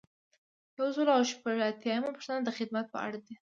یو سل او شپږ اتیایمه پوښتنه د خدمت په اړه ده.